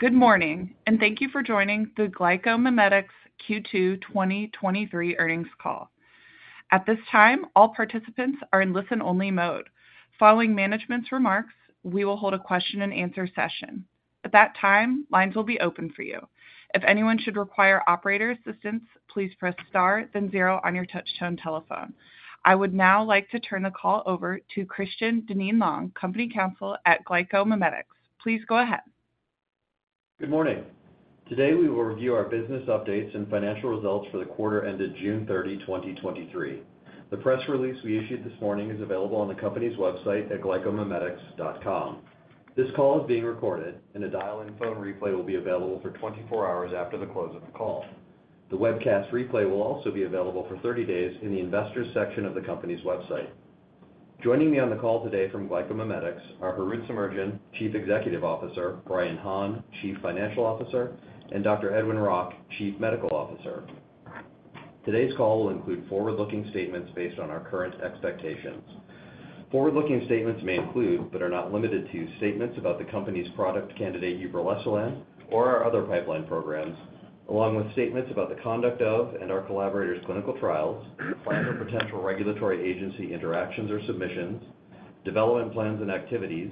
Good morning, thank you for joining the GlycoMimetics Q2 2023 earnings call. At this time, all participants are in listen-only mode. Following management's remarks, we will hold a question-and-answer session. At that time, lines will be open for you. If anyone should require operator assistance, please press star, then zero on your touch-tone telephone. I would now like to turn the call over to, Christian Dinneen-Long, Company Counsel at GlycoMimetics. Please go ahead. Good morning. Today, we will review our business updates and financial results for the quarter ended June 30, 2023. The press release we issued this morning is available on the company's website at glycomimetics.com. This call is being recorded, and a dial-in phone replay will be available for 24 hours after the close of the call. The webcast replay will also be available for 30 days in the investors section of the company's website. Joining me on the call today from GlycoMimetics are Harout Semerjian, Chief Executive Officer, Brian Hahn, Chief Financial Officer, and Dr. Edwin Rock, Chief Medical Officer. Today's call will include forward-looking statements based on our current expectations. Forward-looking statements may include, but are not limited to, statements about the company's product, candidate Uproleselan or our other pipeline programs, along with statements about the conduct of and our collaborators' clinical trials, plans or potential regulatory agency interactions or submissions, development plans and activities,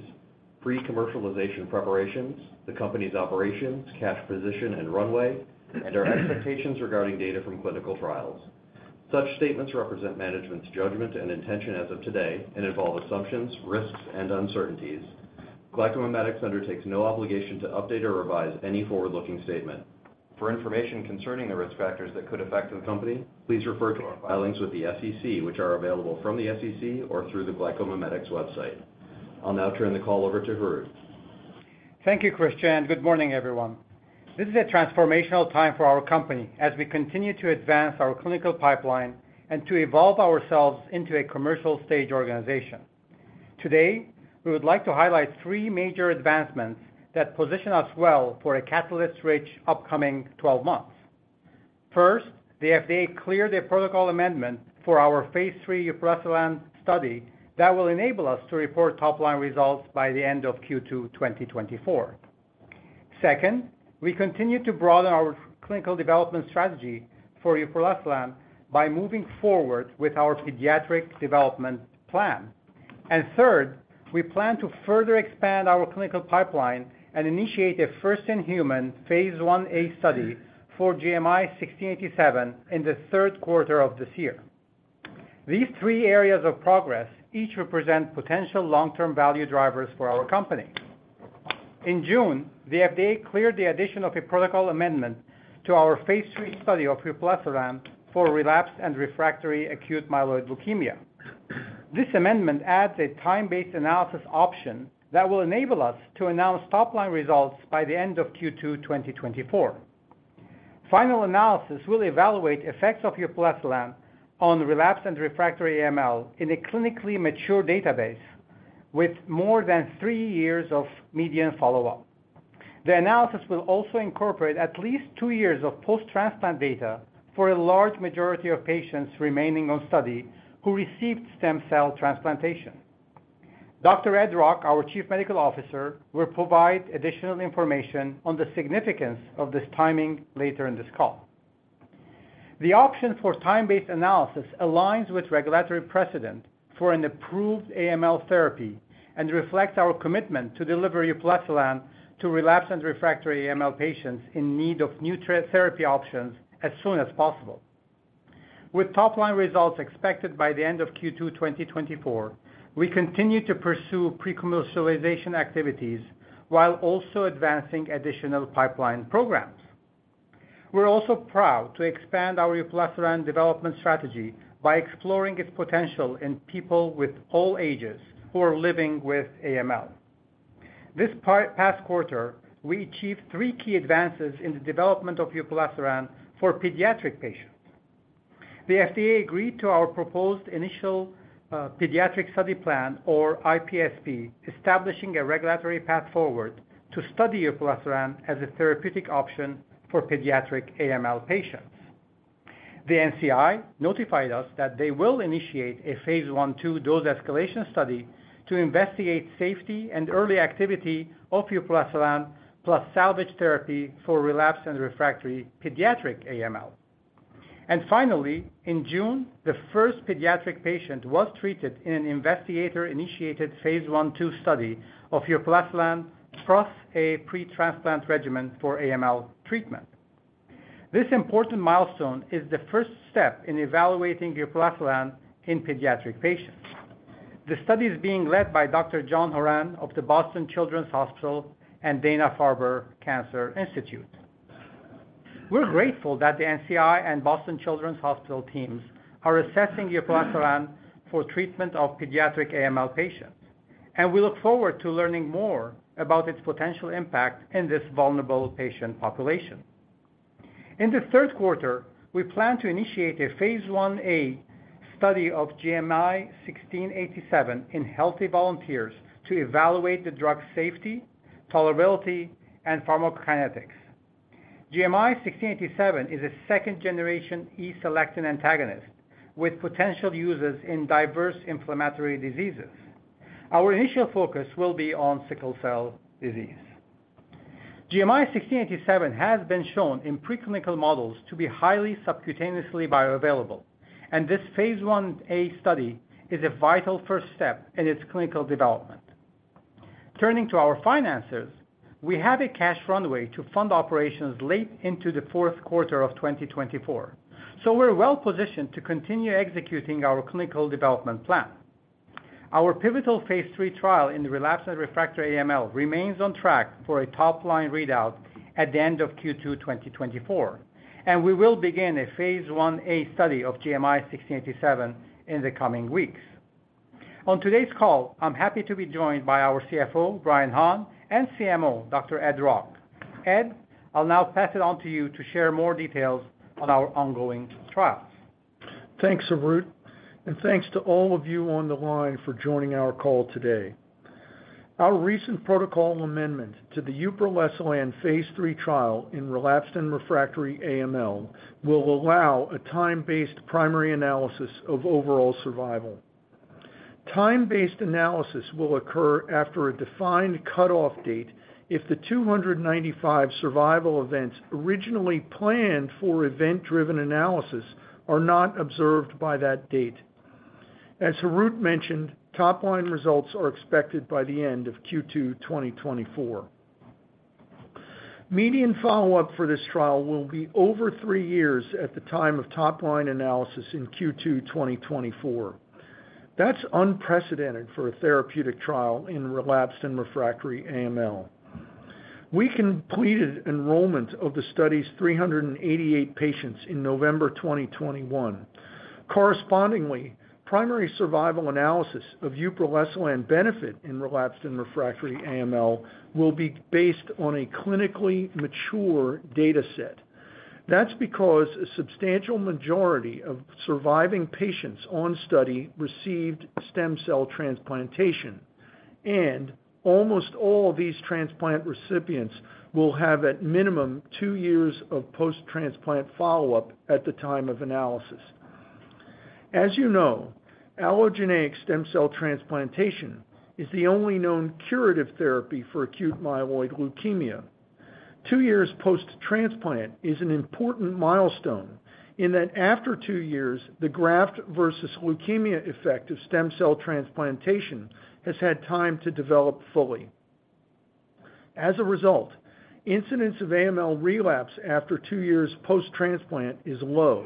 pre-commercialization preparations, the company's operations, cash position, and runway, and our expectations regarding data from clinical trials. Such statements represent management's judgment and intention as of today and involve assumptions, risks, and uncertainties. GlycoMimetics undertakes no obligation to update or revise any forward-looking statement. For information concerning the risk factors that could affect the company, please refer to our filings with the SEC, which are available from the SEC or through the GlycoMimetics website. I'll now turn the call over to Harout. Thank you, Christian. Good morning, everyone. This is a transformational time for our company as we continue to advance our clinical pipeline and to evolve ourselves into a commercial stage organization. Today, we would like to highlight three major advancements that position us well for a catalyst-rich upcoming 12 months. First, the FDA cleared a protocol amendment for our Phase III Uproleselan study that will enable us to report top-line results by the end of Q2 2024. Second, we continue to broaden our clinical development strategy for Uproleselan by moving forward with our pediatric development plan. Third, we plan to further expand our clinical pipeline and initiate a first-in-human Phase 1-A study for GMI-1687 in the third quarter of this year. These three areas of progress each represent potential long-term value drivers for our company. In June, the FDA cleared the addition of a protocol amendment to our Phase III study of Uproleselan for relapsed and refractory acute myeloid leukemia. This amendment adds a time-based analysis option that will enable us to announce top-line results by the end of Q2 2024. Final analysis will evaluate effects of Uproleselan on relapsed and refractory AML in a clinically mature database with more than three years of median follow-up. The analysis will also incorporate at least two years of post-transplant data for a large majority of patients remaining on study who received stem cell transplantation. Dr. Ed Rock, our Chief Medical Officer, will provide additional information on the significance of this timing later in this call. The option for time-based analysis aligns with regulatory precedent for an approved AML therapy and reflects our commitment to deliver Uproleselan to relapsed and refractory AML patients in need of new therapy options as soon as possible. With top-line results expected by the end of Q2 2024, we continue to pursue pre-commercialization activities while also advancing additional pipeline programs. We're also proud to expand our Uproleselan development strategy by exploring its potential in people with all ages who are living with AML. This past quarter, we achieved three key advances in the development of Uproleselan for pediatric patients. The FDA agreed to our proposed initial pediatric study plan, or IPSP, establishing a regulatory path forward to study Uproleselan as a therapeutic option for pediatric AML patients. The NCI notified us that they will initiate a Phase 1/2 dose-escalation study to investigate safety and early activity of Uproleselan plus salvage therapy for relapsed and refractory pediatric AML. Finally, in June, the first pediatric patient was treated in an investigator-initiated Phase 1/2 study of Uproleselan plus a pre-transplant regimen for AML treatment. This important milestone is the first step in evaluating Uproleselan in pediatric patients. The study is being led by Dr. John Horan of the Boston Children's Hospital and Dana-Farber Cancer Institute. We're grateful that the NCI and Boston Children's Hospital teams are assessing Uproleselan for treatment of pediatric AML patients, and we look forward to learning more about its potential impact in this vulnerable patient population. In the third quarter, we plan to initiate a Phase 1-A study of GMI-1687 in healthy volunteers to evaluate the drug's safety, tolerability, and pharmacokinetics. GMI-1687 is a second-generation E-selectin antagonist with potential uses in diverse inflammatory diseases. Our initial focus will be on sickle cell disease. GMI-1687 has been shown in preclinical models to be highly subcutaneously bioavailable, and this phase 1a study is a vital first step in its clinical development. Turning to our finances, we have a cash runway to fund operations late into the fourth quarter of 2024, so we're well-positioned to continue executing our clinical development plan. Our pivotal phase III trial in the relapsed and refractory AML remains on track for a top-line readout at the end of Q2 2024, and we will begin a phase 1-A study of GMI-1687 in the coming weeks. On today's call, I'm happy to be joined by our CFO, Brian Hahn, and CMO, Dr. Ed Rock. Ed, I'll now pass it on to you to share more details on our ongoing trials. Thanks, Harout, and thanks to all of you on the line for joining our call today. Our recent protocol amendment to the uproleselan Phase III trial in relapsed and refractory AML will allow a time-based primary analysis of overall survival. Time-based analysis will occur after a defined cutoff date if the 295 survival events originally planned for event-driven analysis are not observed by that date. As Harout mentioned, top-line results are expected by the end of Q2 2024. Median follow-up for this trial will be over three years at the time of top-line analysis in Q2 2024. That's unprecedented for a therapeutic trial in relapsed and refractory AML. We completed enrollment of the study's 388 patients in November 2021. Correspondingly, primary survival analysis of uproleselan benefit in relapsed and refractory AML will be based on a clinically mature data set. That's because a substantial majority of surviving patients on study received stem cell transplantation, and almost all these transplant recipients will have at minimum two years of post-transplant follow-up at the time of analysis. As you know, allogeneic stem cell transplantation is the only known curative therapy for acute myeloid leukemia. Two years post-transplant is an important milestone in that after two years, the graft-versus-leukemia effect of stem cell transplantation has had time to develop fully. As a result, incidents of AML relapse after two years post-transplant is low,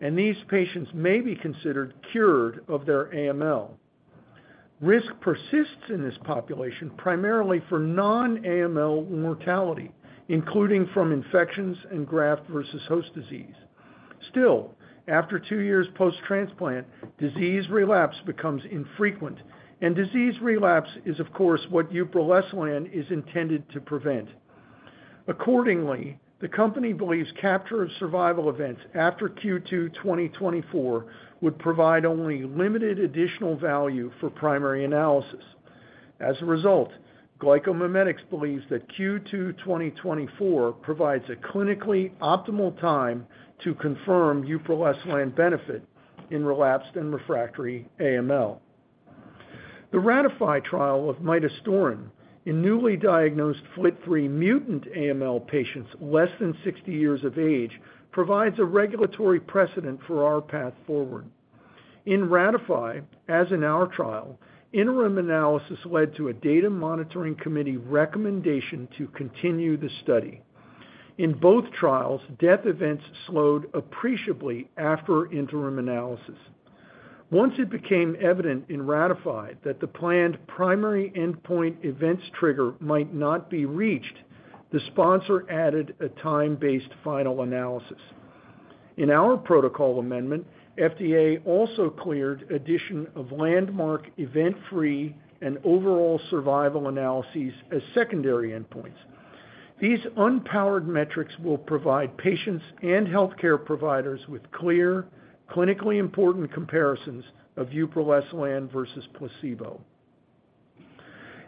and these patients may be considered cured of their AML. Risk persists in this population, primarily for non-AML mortality, including from infections and graft-versus-host disease. Still, after two years post-transplant, disease relapse becomes infrequent, and disease relapse is, of course, what Uproleselan is intended to prevent. Accordingly, the company believes capture of survival events after Q2 2024 would provide only limited additional value for primary analysis. As a result, GlycoMimetics believes that Q2 2024 provides a clinically optimal time to confirm uproleselan benefit in relapsed and refractory AML. The RATIFY trial of midostaurin in newly diagnosed FLT3 mutant AML patients less than 60 years of age, provides a regulatory precedent for our path forward. In RATIFY, as in our trial, interim analysis led to a Data Monitoring Committee recommendation to continue the study. In both trials, death events slowed appreciably after interim analysis. Once it became evident in RATIFY that the planned primary endpoint events trigger might not be reached, the sponsor added a time-based final analysis. In our protocol amendment, FDA also cleared addition of landmark event-free and overall survival analyses as secondary endpoints. These unpowered metrics will provide patients and healthcare providers with clear, clinically important comparisons of Uproleselan versus placebo.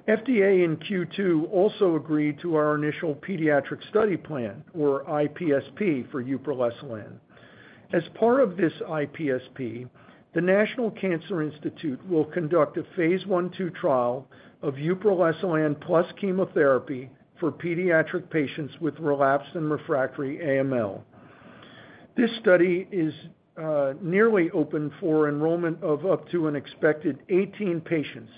FDA in Q2 also agreed to our initial pediatric study plan, or IPSP, for Uproleselan. As part of this IPSP, the National Cancer Institute will conduct a Phase 1/2 trial of Uproleselan plus chemotherapy for pediatric patients with relapsed and refractory AML. This study is nearly open for enrollment of up to an expected 18 patients,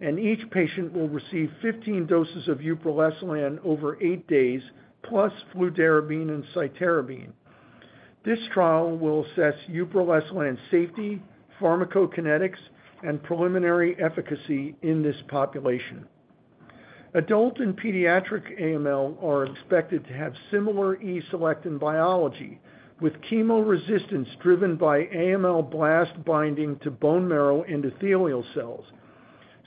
and each patient will receive 15 doses of Uproleselan over eight days, plus fludarabine and cytarabine. This trial will assess Uproleselan's safety, pharmacokinetics, and preliminary efficacy in this population. Adult and pediatric AML are expected to have similar E-selectin biology, with chemoresistance driven by AML blast binding to bone marrow endothelial cells.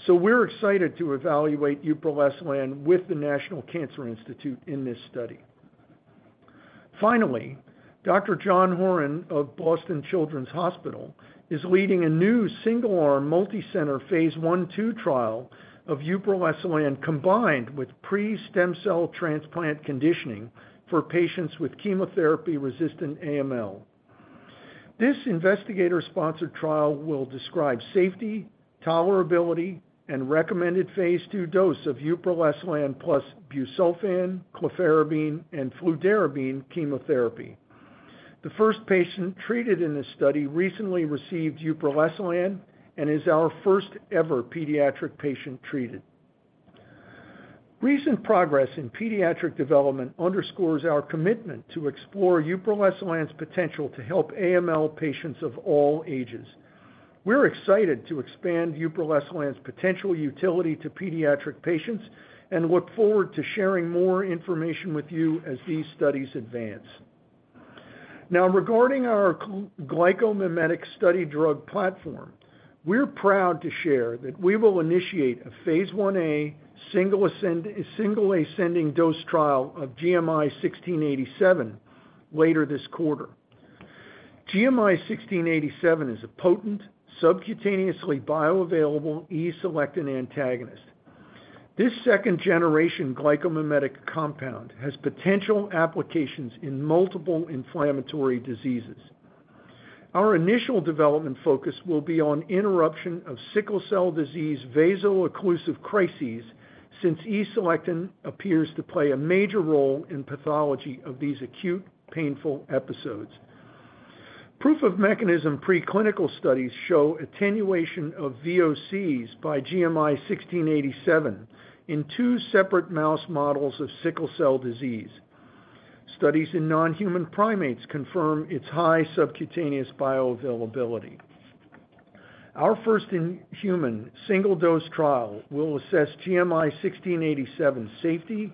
We're excited to evaluate Uproleselan with the National Cancer Institute in this study. Finally, Dr. John Horan of Boston Children's Hospital, is leading a new single-arm, multicenter, phase 1/2 trial of Uproleselan.combined with pre-stem cell transplant conditioning for patients with chemotherapy-resistant AML. This investigator-sponsored trial will describe safety, tolerability, and recommended phase II dose of Uproleselan plus busulfan, clofarabine, and fludarabine chemotherapy. The first patient treated in this study recently received Uproleselan and is our first-ever pediatric patient treated. Recent progress in pediatric development underscores our commitment to explore Uproleselan's potential to help AML patients of all ages. We're excited to expand Uproleselan's potential utility to pediatric patients and look forward to sharing more information with you as these studies advance. Regarding our glycomimetic study drug platform, we're proud to share that we will initiate a phase 1a single ascending dose trial of GMI-1687 later this quarter. GMI-1687 is a potent, subcutaneously bioavailable E-selectin antagonist. This second-generation glycomimetic compound has potential applications in multiple inflammatory diseases. Our initial development focus will be on interruption of sickle cell disease vaso-occlusive crises, since E-selectin appears to play a major role in pathology of these acute painful episodes. Proof of mechanism preclinical studies show attenuation of VOCs by GMI-1687 in two separate mouse models of sickle cell disease. Studies in non-human primates confirm its high subcutaneous bioavailability. Our first-in-human single-dose trial will assess GMI-1687's safety,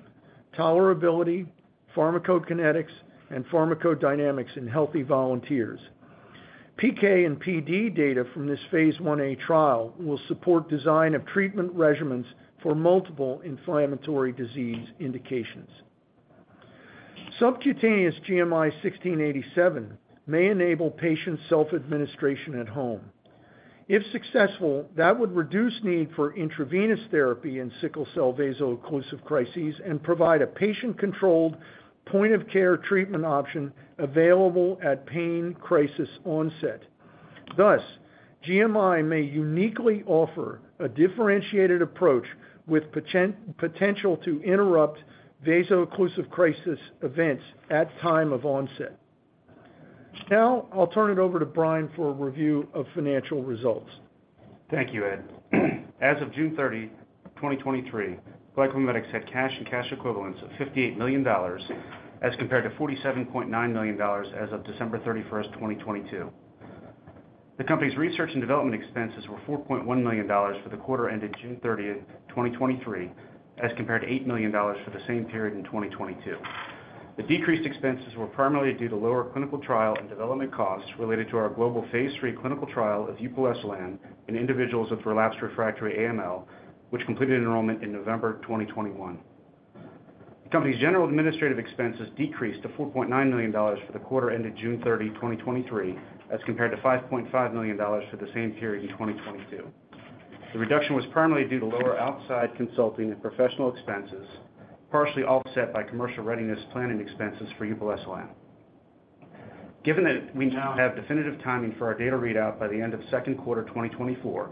tolerability, pharmacokinetics, and pharmacodynamics in healthy volunteers. PK and PD data from this phase 1-A trial will support design of treatment regimens for multiple inflammatory disease indications. Subcutaneous GMI-1687 may enable patient self-administration at home. If successful, that would reduce need for intravenous therapy in sickle cell vaso-occlusive crises and provide a patient-controlled point-of-care treatment option available at pain crisis onset. Thus, GMI may uniquely offer a differentiated approach with potential to interrupt vaso-occlusive crisis events at time of onset. Now, I'll turn it over to Brian for a review of financial results. Thank you, Ed. As of June 30, 2023, GlycoMimetics had cash and cash equivalents of $58 million, as compared to $47.9 million as of December 31st, 2022. The company's research and development expenses were $4.1 million for the quarter ended June 30th, 2023, as compared to $8 million for the same period in 2022. The decreased expenses were primarily due to lower clinical trial and development costs related to our global Phase III clinical trial of Uproleselan in individuals with relapsed refractory AML, which completed enrollment in November 2021. The company's general administrative expenses decreased to $4.9 million for the quarter ended June 30, 2023, as compared to $5.5 million for the same period in 2022. The reduction was primarily due to lower outside consulting and professional expenses, partially offset by commercial readiness planning expenses for Uproleselan. Given that we now have definitive timing for our data readout by the end of second quarter 2024,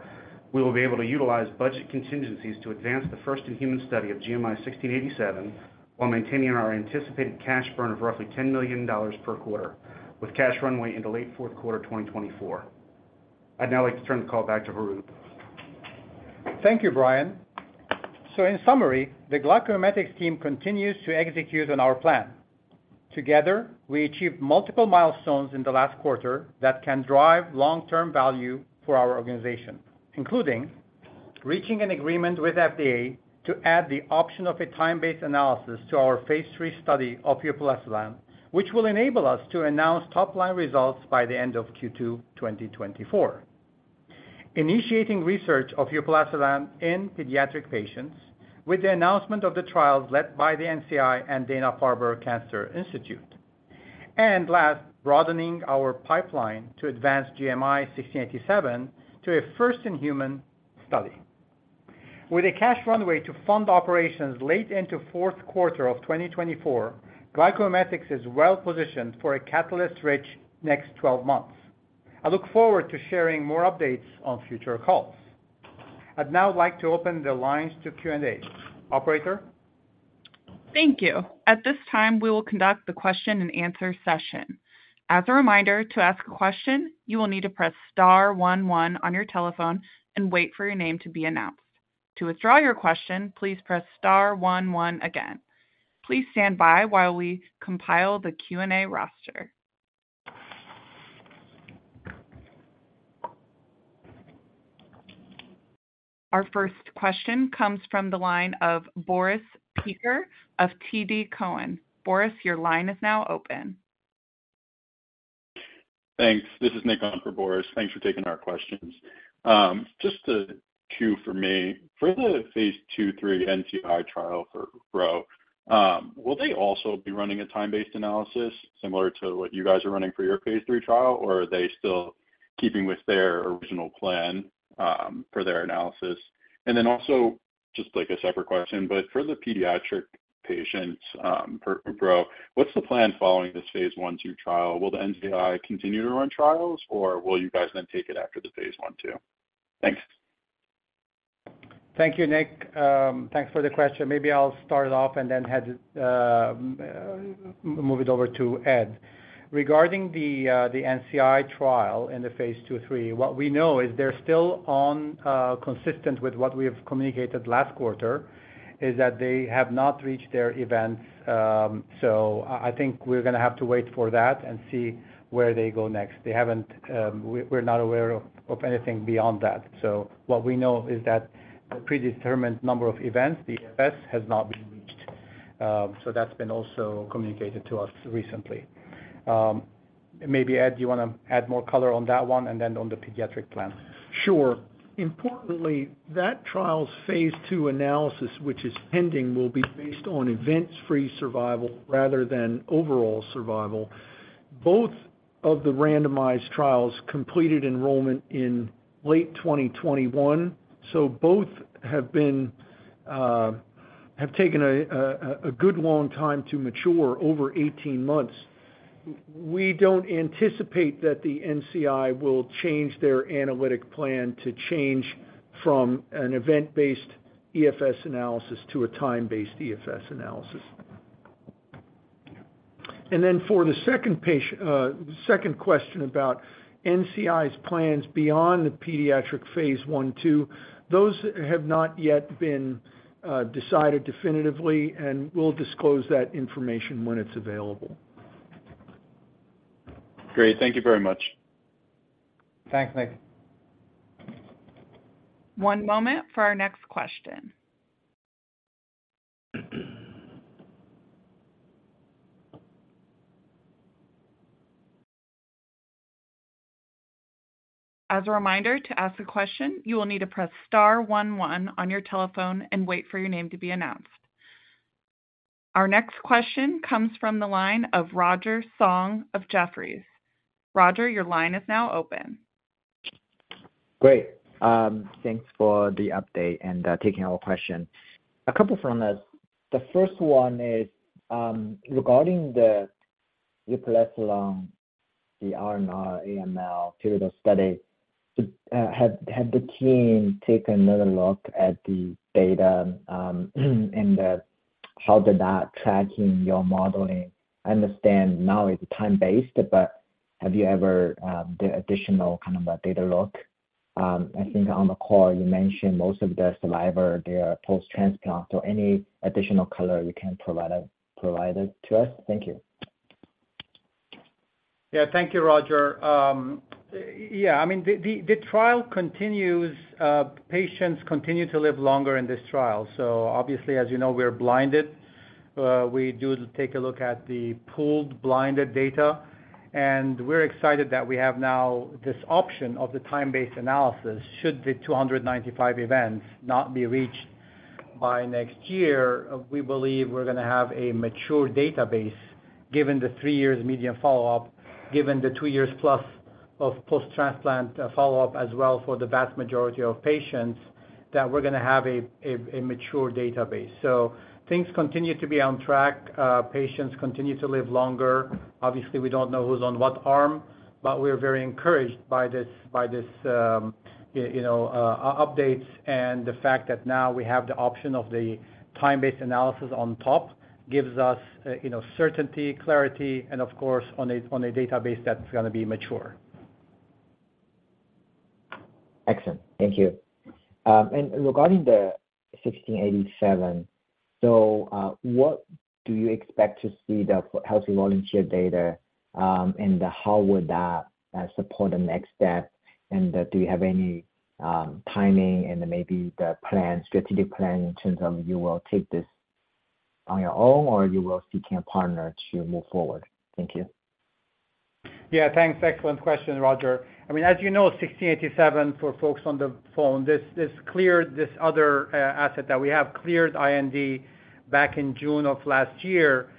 we will be able to utilize budget contingencies to advance the first-in-human study of GMI-1687, while maintaining our anticipated cash burn of roughly $10 million per quarter, with cash runway into late fourth quarter 2024. I'd now like to turn the call back to Harout. Thank you, Brian. In summary, the GlycoMimetics team continues to execute on our plan. Together, we achieved multiple milestones in the last quarter that can drive long-term value for our organization, including reaching an agreement with FDA to add the option of a time-based analysis to our Phase III study of uproleselan, which will enable us to announce top-line results by the end of Q2, 2024. Initiating research of uproleselan in pediatric patients with the announcement of the trials led by the NCI and Dana-Farber Cancer Institute. Last, broadening our pipeline to advance GMI-1687 to a first-in-human study. With a cash runway to fund operations late into fourth quarter of 2024, GlycoMimetics is well positioned for a catalyst-rich next 12 months. I look forward to sharing more updates on future calls. I'd now like to open the lines to Q&A. Operator? Thank you. At this time, we will conduct the question and answer session. As a reminder, to ask a question, you will need to press star one one on your telephone and wait for your name to be announced. To withdraw your question, please press star one, one again. Please stand by while we compile the Q&A roster. Our first question comes from the line of Boris Peaker of TD Cowen. Boris, your line is now open. Thanks. This is Nick on for Boris. Thanks for taking our questions. Just two for me. For the phase 2/3 NCI trial for row, will they also be running a time-based analysis similar to what you guys are running for your phase III trial? Are they still keeping with their original plan for their analysis? Then also, just like a separate question, but for the pediatric patients, for row, what's the plan following this phase 1/2 trial? Will the NCI continue to run trials, or will you guys then take it after the phase 1/2? Thanks. Thank you, Nick. Thanks for the question. Maybe I'll start off and then hand it, move it over to Ed. Regarding the NCI trial in the Phase 2/3, what we know is they're still on, consistent with what we have communicated last quarter, is that they have not reached their events. I think we're gonna have to wait for that and see where they go next. They haven't. We're not aware of anything beyond that. What we know is that a predetermined number of events, the EFS, has not been reached. That's been also communicated to us recently. Maybe Ed, you wanna add more color on that one and then on the pediatric plan? Sure. Importantly, that trial's phase II analysis, which is pending, will be based on event-free survival rather than overall survival. Both of the randomized trials completed enrollment in late 2021, so both have been, have taken a, a, a good long time to mature over 18 months. We don't anticipate that the NCI will change their analytic plan to change from an event-based EFS analysis to a time-based EFS analysis. For the second patien- second question about NCI's plans beyond the pediatric phase I, II, those have not yet been, decided definitively, and we'll disclose that information when it's available. Great. Thank you very much. Thanks, Nick. One moment for our next question. As a reminder, to ask a question, you will need to press star one, one on your telephone and wait for your name to be announced. Our next question comes from the line of Roger Song of Jefferies. Roger, your line is now open. Great. Thanks for the update and taking our question. A couple from us. The first one is regarding the Uproleselan, the R/R AML period of study, had the team taken another look at the data, and how did that track in your modeling? I understand now it's time-based, but have you ever the additional kind of a data look? I think on the call you mentioned most of the survivor, they are post-transplant, so any additional color you can provide us, provide it to us? Thank you. Yeah. Thank you, Roger. Yeah, I mean, the, the, the trial continues. Patients continue to live longer in this trial. Obviously, as you know, we're blinded. We do take a look at the pooled blinded data, and we're excited that we have now this option of the time-based analysis, should the 295 events not be reached by next year. We believe we're gonna have a mature database, given the three years median follow-up, given the two years plus of post-transplant follow-up as well for the vast majority of patients, that we're gonna have a mature database. Things continue to be on track. Patients continue to live longer. Obviously, we don't know who's on what arm, but we're very encouraged by this, by this, you know, updates and the fact that now we have the option of the time-based analysis on top, gives us, you know, certainty, clarity, and of course, on a, on a database that's gonna be mature. Excellent. Thank you. Regarding the 1687, what do you expect to see the healthy volunteer data, and how would that support the next step? Do you have any timing and maybe the plan, strategic plan in terms of you will take this on your own or you will seeking a partner to move forward? Thank you. Yeah, thanks. Excellent question, Roger. I mean, as you know, 1687, for folks on the phone, this, this cleared this other asset that we have cleared IND back in June of last year.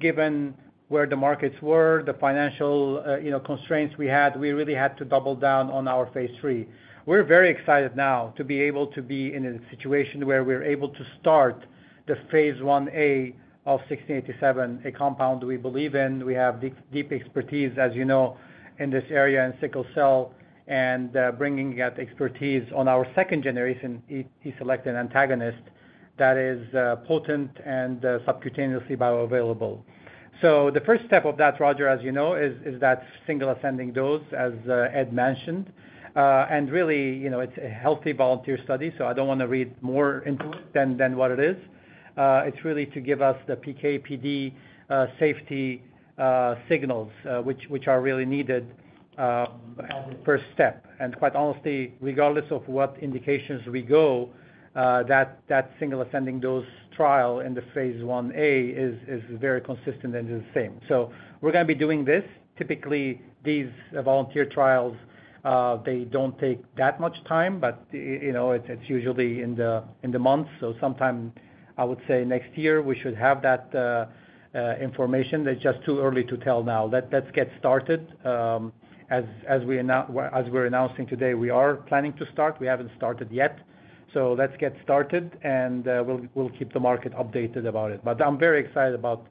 Given where the markets were, the financial, you know, constraints we had, we really had to double down on our phase III. We're very excited now to be able to be in a situation where we're able to start the phase 1-A of 1687, a compound we believe in. We have deep, deep expertise, as you know, in this area in sickle cell and bringing that expertise on our second generation, E-selectin antagonist that is potent and subcutaneously bioavailable. The first step of that, Roger, as you know, is, is that single ascending dose, as Ed mentioned. Really, you know, it's a healthy volunteer study, so I don't wanna read more into it than, than what it is. It's really to give us the PK/PD, safety, signals, which, which are really needed, as a first step. Quite honestly, regardless of what indications we go, that, that single ascending dose trial in the Phase 1-A is, is very consistent and is the same. We're gonna be doing this. Typically, these volunteer trials, they don't take that much time, but, you know, it's, it's usually in the, in the months. Sometime, I would say next year, we should have that information. It's just too early to tell now. Let, let's get started. As, as we are now as we're announcing today, we are planning to start. We haven't started yet. Let's get started, and, we'll, we'll keep the market updated about it. I'm very excited about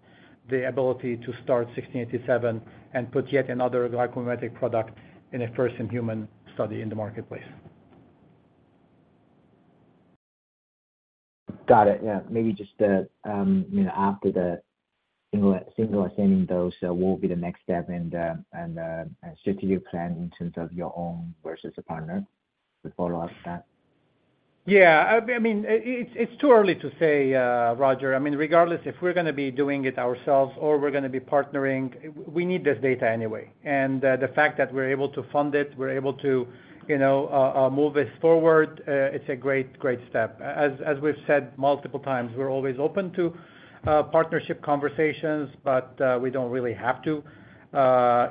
the ability to start 1687 and put yet another GlycoMimetics product in a first-in-human study in the marketplace. Got it. Yeah. Maybe just, you know, after the single, single ascending dose, what will be the next step and strategic plan in terms of your own versus a partner? To follow up that. Yeah, I, I mean, it, it's too early to say, Roger. I mean, regardless if we're gonna be doing it ourselves or we're gonna be partnering, we need this data anyway. The fact that we're able to fund it, we're able to, you know, move this forward, it's a great, great step. As, as we've said multiple times, we're always open to partnership conversations, but, we don't really have to.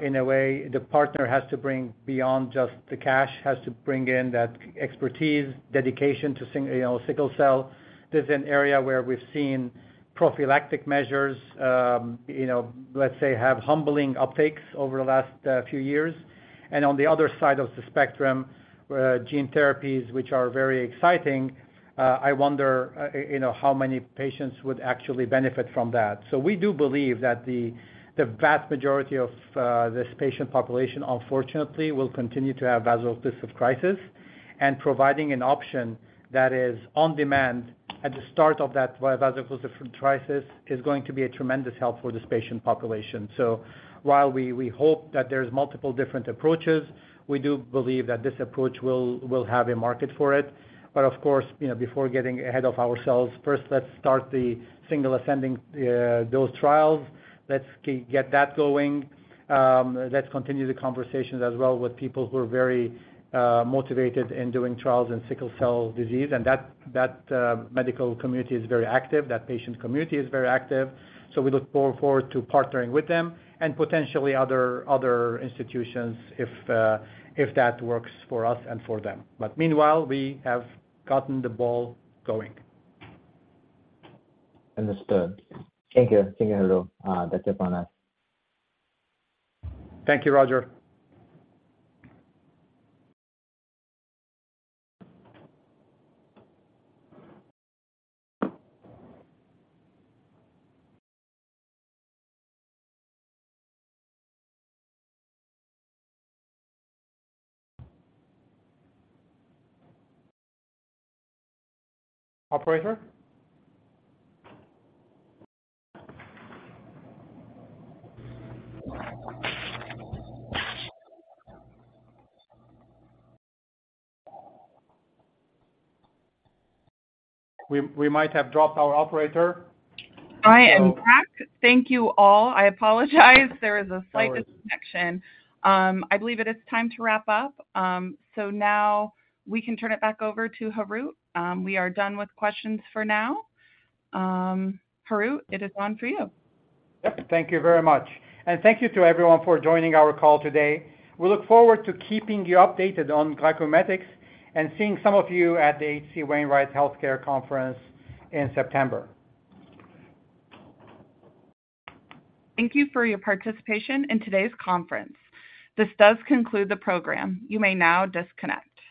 In a way, the partner has to bring beyond just the cash, has to bring in that expertise, dedication to you know, sickle cell. This is an area where we've seen prophylactic measures, you know, let's say, have humbling uptakes over the last few years. On the other side of the spectrum, gene therapies, which are very exciting, I wonder, you know, how many patients would actually benefit from that. We do believe that the vast majority of this patient population, unfortunately, will continue to have vaso-occlusive crisis, and providing an option that is on demand at the start of that vaso-occlusive crisis is going to be a tremendous help for this patient population. While we hope that there's multiple different approaches, we do believe that this approach will have a market for it. Of course, you know, before getting ahead of ourselves, first, let's start the single ascending dose trials. Let's get that going. Let's continue the conversations as well with people who are very motivated in doing trials in sickle cell disease, that, that medical community is very active, that patient community is very active. We look forward to partnering with them and potentially other, other institutions if that works for us and for them. Meanwhile, we have gotten the ball going. Understood. Thank you. Thank you, Harout. That's it on us. Thank you, Roger. Operator? We might have dropped our operator. I am back. Thank you all. I apologize. There is a slight disconnection. I believe it is time to wrap up. Now we can turn it back over to Harout. We are done with questions for now. Harout, it is on for you. Yep. Thank you very much. Thank you to everyone for joining our call today. We look forward to keeping you updated on GlycoMimetics and seeing some of you at the H.C. Wainwright Healthcare Conference in September. Thank you for your participation in today's conference. This does conclude the program. You may now disconnect.